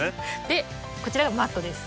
でこちらがマットです。